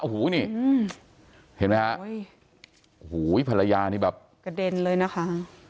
โอ้โหนี่เห็นไหมฮะโอ้โหภรรยานี่แบบกระเด็นเลยนะคะ